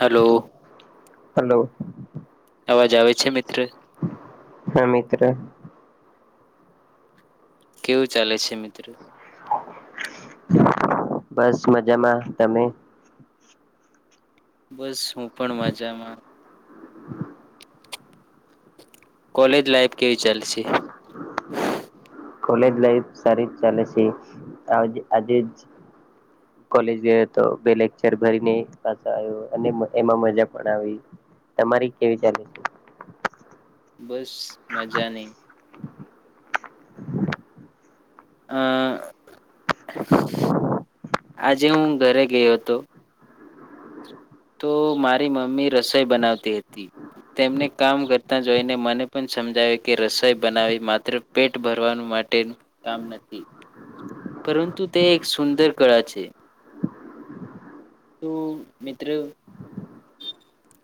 Hello hello અવાજ આવે છે મિત્ર હા મિત્ર કેવું ચાલે છે મિત્ર બસ મજામાં તમે બસ હું પણ મજામાં કોલેજ લાઈફ કેવી ચાાલશે કોલેજ લાઈફ સારી ચાલે છે આજે જ કોલેજ ગયો તો બે લેક્ચર ભરીને પાછો આવ્યો અને એમાં મજા પણ આવી તમારી કેવી ચાલે છે બસ મંજાની હા આજે હું ઘરે ગયો હતો તો મારી મમ્મી રસોઈ બનાવતી હતી તેમને કામ કરતા જોઈને મને પણ સમજાવે કે રસોઈ બનાવી માત્ર પેટ ભરવાનું નુ કામ નથી પરંતુ તે એક સુંદર કળા છે તું મિત્ર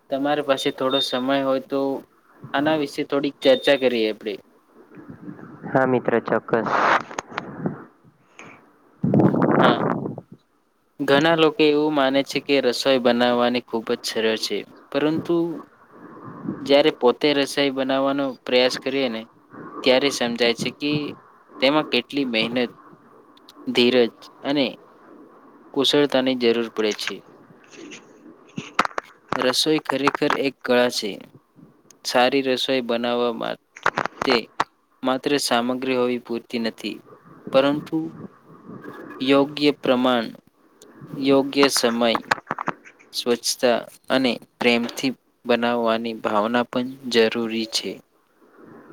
તમારી પાસે થોડો સમય હોય તો આના વિશે થોડીક ચર્ચા કરીએ આપડે હા મિત્ર ચોક્કસ હા ઘણા લોકો એવું માને છે કે રસોઈ બનાવવાની ખૂબ જ સરળ છે પરંતુ જયારે પોતે રસોઈ બનાવવાનો પ્રયાસ કરીએ ને ત્યારે સમજાય છે કે તેમાં કેટલી મહેનત ધીરજ અને કુશળતાની જરૂર પડે છે રસોઈ ખરેખર એક કળા છે સારી રસોઈ બનાવવામાં તે માત્ર સામગ્રી હોવી પૂરતી નથી પરંતુ યોગ્ય પ્રમાણ યોગ્ય સમય સ્વચ્છતા અને પ્રેમથી બનાવવાની ભાવના પણ જરૂરી છે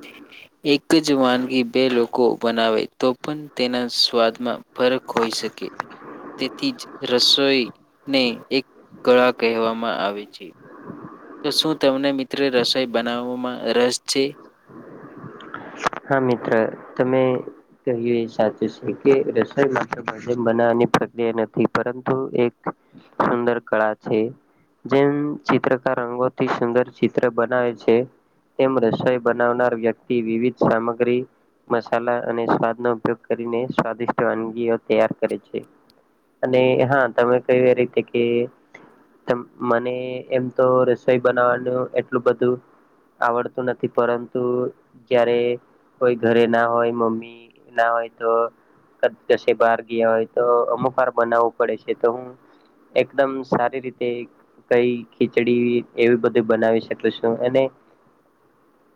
ઓકે એક જ વાનગી બે લોકો બનાવે તો પણ તેના સ્વાદમાં ફરક હોય છે શ કે તેથી જ રસોઈને એક કળા કહેવામાં આવે છે તો શું તમને મિત્રો રસોઈ બનાવવામાં રસ છે હા મિત્ર તમે કહ્યું એ સાચું છે કે રસોઈ માત્રમ બનાવાની પ્રક્રિયા નથી પરંતુ એક સુંદર કળા છે જેમ ચિત્રકાર રંગોથી સુંદર ચિત્ર બનાવે છે એ રસોઈ બનાવનાર વ્યક્તિ વિવિધ સામગ્રી મસાલા અને સ્વાદનોો ઉપયોગ કરીને સ્વાદિષ્ટ વાનગીઓ તૈયાર કરે છે અને હા તમે કહ્યું એ રીતે કે મને એમ તો રસોઈ બનાવાનું એટલું બધું આવડતું નથી પરંતુ ક્યારે કોઈ ઘરે ના હોય મમ્મી ના હોય તો બહાર ગયા હોય તો અમુક વાર બનાવવું પડે છે તો હું એકદમ સારી રીતે કઈ ખીચડી એવી બધી બનાવી શકશું અને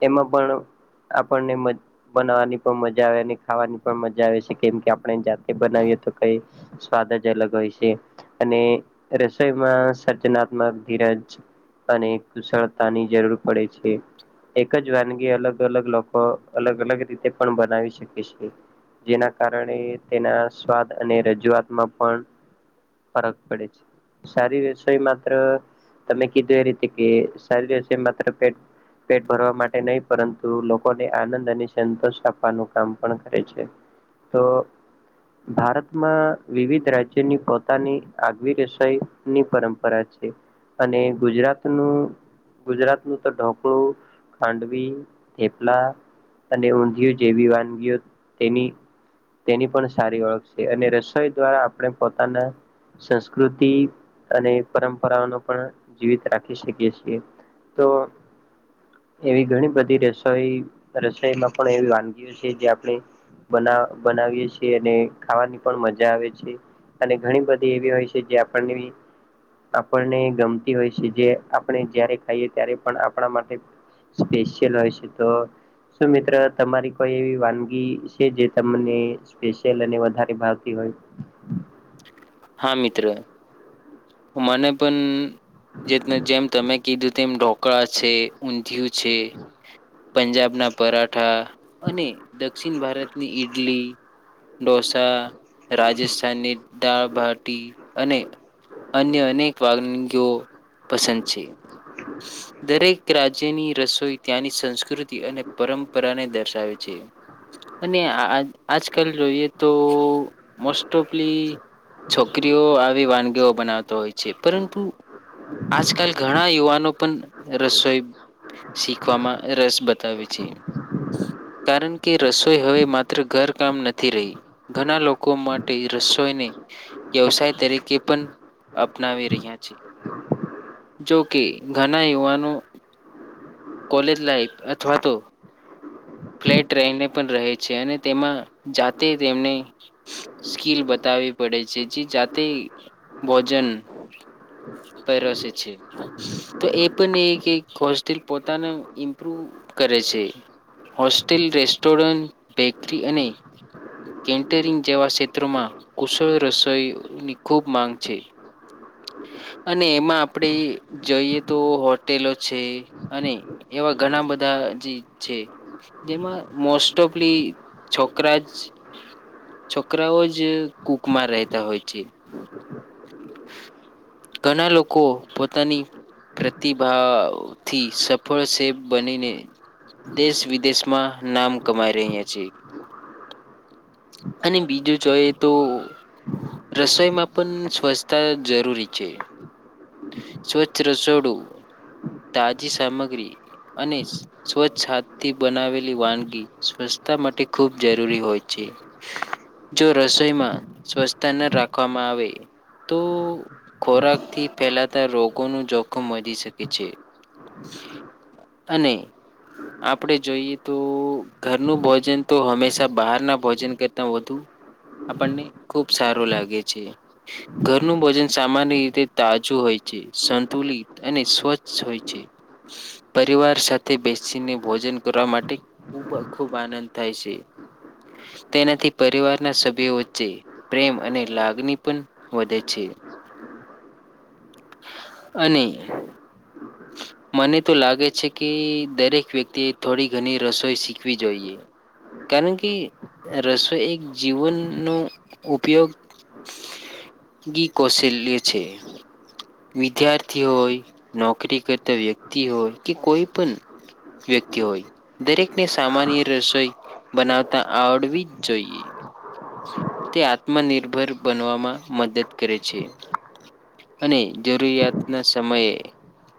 એમાં પણ આપણને બનાવવાની પણ મજા આવે અને ખાવાની પણ મજા આવે છે કેમ કે આપણે જાતે બનાવીએ કઈ સ્વાદ જ અલગ હોય છે અને રસોઈમાં સર્જનાત્મક ધરા કુશળતાની જરૂર પડે છે એક જ વાનગી અલગ અલગ અલગ લોકો અલગ અલગ રીતે પણ બનાવી શકે છે જેના કારણે તેના સ્વાદ અને રજૂઆતમાં પણ ફરક પડે છે શારીર વ્યસોઈ માત્ર તમે કીધું એ રીતે કે શારીર વ્યસો માત્ર પે પેટ ભરવા માટે નહીં પરંતુ લોકોને આનંદ અને સંતોષ આપવાનું કામ પણ કરે છે તો ભારતમાં વિવિધ રાજ્યની પોતાની આગવી રસઈની પરંપરા છે અને ગુજરાત નું ગુજરાત નું તો ઢોકળું ખાંડવી થેપલા અને ઊંધિય જેવી વાનગીઓ તેની તેની પણ સારી ઓળખ છે અને રસોઈ દ્વારા આપણે પોતાના સંસ્કૃતિ અને પરંપરાઓનો પણ જીવિત રાખી શકીએ છીએ તો એવી ઘણી બધી રસ રો રસોઈમાં પણ એવી વાનગીઓ છે જે આપણે બ બનાવીએ છીએ અને ખાવાની પણ મજા આવે છે અને ઘણી બધી એવી હોય છે જે આપણને આપણને ગમતી હોય છે જે આપણે જારે ખાઈએ ત્યારે પણ આપણા માટે સ્પેશલ હોય છે તો સુું મિત્ર તમારી કોઈ એવી વાનગી છે જે તમને સ્પેશિયલ અને વધારે ભાવતી હોય થ [unintelligible] મિત્ર હમાને પણ જે જેમ તમે કીધું તેમમ ઢોકળા છે ઊંધિયું છે પંજાબ ના પરાઠા અને દક્ષિણ ભારતની ઈડલી ઢોસા રાજસ્થાનની ડા અને અન્ય અનેક વાનગીઓ પસંદ છે દરેક રાજ્યની રસોઈ ત્યાંની સંસ્કૃતિ અને પરંપરાને દર્શાવે છે અને આજકાલ જોઈએ તો મોસ્ટ ઓફલી છોકરીઓ આવી વાનગીઓ બનાવતો હોય છે પરંતુ આજકાલ ઘણા યુવાનો પણ રસોઈ શીખવામાં રસ બતાવે છે કારણ કે રસોઈ હવે માત્ર ઘરકામ નથી રહી ઘણા લોકો માટે રસોઈને વ્યવસાય તરીકે પણ અપનાવી રહ્યા છે જો કે ઘણા યુવાનો કોલેજ લાઈફ અથવા તો ફ્લેટ રહીને પણ રહે છે અને તેમાં જાતે તેમને સ્કીલ બતા પડે છે જે જાતે ભોજન પસે છે તો એ પણ હોસ્ટલ પોતાના ઇમ્પ્રવ કરે છે હોસ્ટેલ રેસ્ટોરન્ટ બેકરી અને કેન્ટરિંગ જેવા ક્ષેત્રોમાં કુશળ રસોઈની ખૂબ માંગ છે [unintelligible] અને એમાં આપણેે જોઈએ તો હોટેલો છે અને એવા ઘણા બધા જેમાં મોસ્ટ ઓફ છોકરા છોકરાઓ જ કૂકમાંર રહેતા હોય છે ઘણા લોકો પોતાની પ્રતિભથી સફળ સ બનીને દેશ વિદેશમાં નામ કમાઈ રહ્યા છે અને બીજું જો એ તો રસોઈમાં પણ સ્વચ્છતા જરૂરી છે સ્વચ્છ રસોડું તાજી સામગ્રી અને સ્વચ્છ હાથ થી બનાવેલી વાનગી સ્વચ્છતા માટે ખૂબ જરૂરી હોય છે જો રસોઈમાં સ્વચ્તા ન રાખવામાં આવે તો ખોરાકથી ફેલાતા રોગો ન જોખમ વધી શકે છે અને આપણે જોઈએ તો ઘરનું ભોજન તો હંમેશા બહારના ભોજન કરતા વધુ આપણને ખુબ સારું લાગે છે ઘરનું ભોજન સામાન્ય રીતે તાજું હોય છે સંતુલિત અને સ્વચ્છ હોય છે પરિવાર સાથે બેસીને ભોજન કરવા માટે ખૂબ ખૂબ આનંદ થાય છે તેનાથી પરિવારના સભ્યો વચ્ચે પ્રેમ અને લાગણી પણ વધે છે અને મને તો લાગે છે કે દરેક વ્યક્તિએ થોડી ઘણી રસોઈ શીખવી જોઈએ કારણ કે રસોઈ એક જીવનનો ઉપયોગ ગી કસે લી છે વિદ્યાર્થી હોય નોકરી કરતા વ્યક્તિ હોય કે કોઈ પણ વ્યક્તિ હોય દરેકને સામાન્ય રસોઈ બનાવતા આવડવી જ જોઈએ તે આત્મનિર્ભર બનવામાં મદદ કરે છે અને જરૂરિયાતના સમયે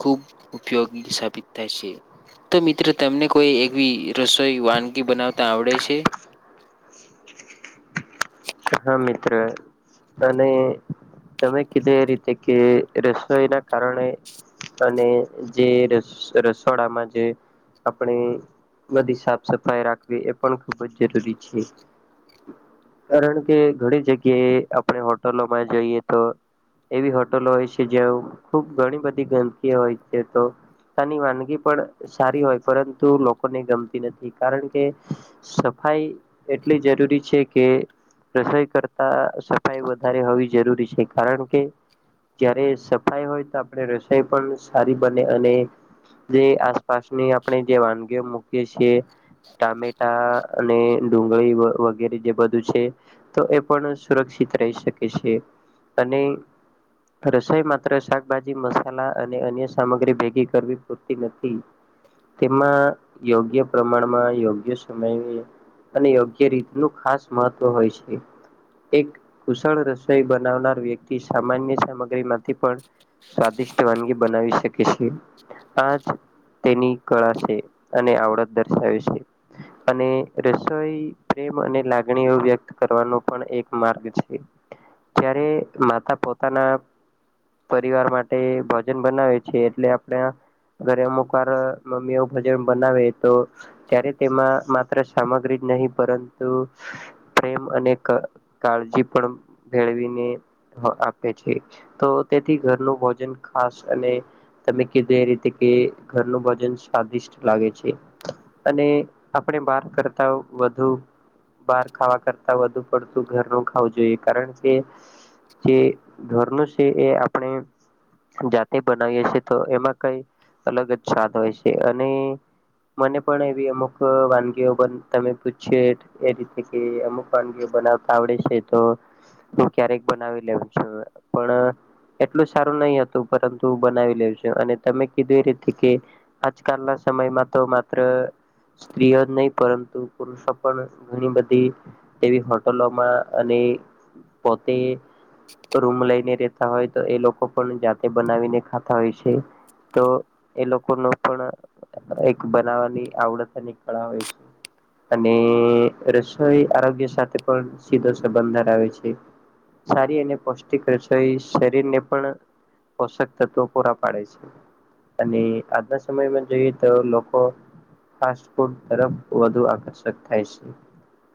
ખૂબ ઉપયોગી સાબિત થાય છે તો મિત્રો તમને કોઈ એવી રસોઈ વાનગી બનાવતા આવડે છે [unintelligible] હા મિત્ર અને તમે કીધે એ રીતે કે રસોઈના કારણે અને જે રસ રસોડામાં જે આપણે બધી સાફ સફાઈ રાખવી એ પણ ખૂબ જ જરૂરી છે કારણ કે ઘણી જગ્યાએ આપણે હોટલોમાં જઈએ તો એવી હોટલો હોય છે જે ખુબ ઘણી બધી ગંદકી હોય છે તો ની વાનગી પણ સારી હોય પરંતુ લોકોને ગમતી નથી કારણ કે ભાઈ એટલી જરૂરી છે કે રસોઈ કરતા સફાઈ વધારે હોવી જરૂરી છે કારણ કે જયારે સફાઈ હોય તો આપણે રસોઈ પણ સારી બને અને જે આસપાસ ની આપણે જે વાનગીઓ મૂકીએ છીએ ટામેટા અને ડુંગળી વગેરે જે બધું છે તો એ પણ સુરક્ષિત રહી શકે છે અને રસોઈ માત્ર શાકભાજી મસાલા અને અન્ય સામગ્રી ભેગી કરવી પૂરતી નથી તેમાં યોગ્ય પ્રમાણમાં યોગ્ય સમય અને યોગ્ય રીતનુંું ખાસ મહત્વ હોય છે એક કુશળ રસોઈ બનાવનાર વ્યક્તિ સામાન્ય સામગ્રી માંથી પણ સ્વાદિષ્ટ વાનગી બનાવી શકે છે આજ તેની કળા છે અને આવડત દર્શાવે છે અને રસોઈ મને લાગણી એ વ્યક્ત કરવાનો પણ એક માર્ગ છે ત્યારે માતા પોતાના પરિવાર માટે ભોજન બનાવે છે એટલે આપણે ઘરે અમુક વાર મમ્મીઓ ભજન બનાવે તો ત્યારે તેમાં માત્ર સામગ્રી નહી પરંતુ પ્રેમ અને કાળજી પણ મેેળવીને આપે છે તો તેથી ઘરનું ભોજન ખાસ અને તમે કીધું એ રીતે કે ઘરનું ભજન સ્વાદિષ્ટ લાગે છે અને આપ વધ બ કરતા વધુ પડતું ઘર ન ખાવું જોઈએ કારણ કે જે ધોરણું છે એ આપણે જાતે બનાવીએ છ છેીએ તો એમાં કઈ અલગ જ સ્વાદ હોય છે અને મને પણ, એવી અમુક વાનગીઓ પણ, તમે પૂછ્યું એ રીતે કે? અમુક વાનગી બનાવતા આવડે છે, તો તું ક્યારેક બનાવી લેવ છુ. પણ એટલું સારું નહી હતું, પરંતુ બનાવી લેઉ છુ અને તમે કીધું એ રીતે કે આજકાલ ના સમયમાં તો માત્ર સ્ત્રીઓ જ નહી, પરંતુ પુરુષો પણ ઘણી બધી તેવી હોટલોમાં, અને પોતે રૂમ લઈને હોય તો, એ લોકો પણ જાતે બનાવીને ખાતા હોય છે. તો એ લોકો નો પણ એક બનાવાની આવડત ની કળા હોય છે. અને, રસોઈ આરોગ્ય સાથે પણ સીધો સંબંધ ધરાવે છે. સારી અને પૌષ્ટિક રસોઈ, શરીરને પણ પોષક તત્વો પૂરા પાડે છે. અને આજના સમયમાં જોઈએ તો લોકો ફાસ્ફૂડ તરફ વધુ આકર્ષક થાય છે.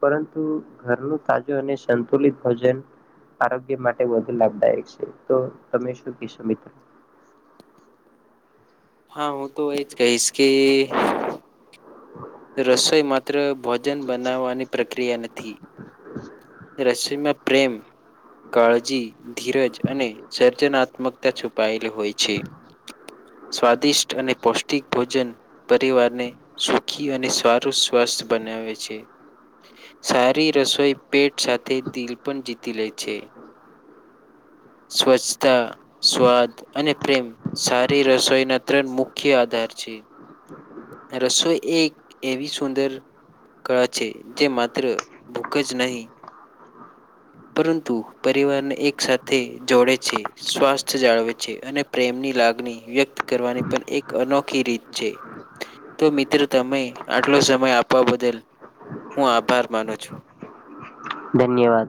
પરંતુ, ઘરનું તાજું અને સંતુલિત ભોજન આરોગ્ય માટે વધુ લાભદાયક છે. તો તમે શું કેશો મિત્રો? [unintelligible] હા હું તો એજ કહીશ કે રસોઈ, માત્ર ભોજન બનાવવાની પ્રક્રિયા નથી. રસોઈમાં પ્રેમ કાળજી, ધીરજ અને સર્જનાત્મકતા છુપાયેલી હોય છે. સ્વાદિષ્ટ અને પૌષ્ટિક ભોજન પરિવારને સુખી અને સારું સ્વા બનાવે છે. સારી રસોઈ પેટ સાથે દિલ પણ જીતી લે છે. સ્વચ્છતા, સ્વાદ અને પ્રેમ સારી રસોઈના ત્રણ મુખ્ય આધાર પર ચી રસોઈ એ એક એવી સુંદર કળા છે જે, માત્ર ભૂખ જ નહી. પરંતુ પરિવારને એક સાથે જોડે છે. સ્વાસ્થ્ય જાળવે છે. અને પ્રેમની લા લાગણી વ્યક્ત કરવાની પણ, એક અનોખી રીત છે. તો મિત્ર, તમે આટલો સમય આપવા બદલ હું આભાર માનું છું. ધન્યવાદ,